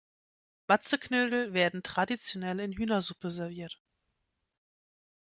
Matzeknödel werden traditionell in Hühnersuppe serviert.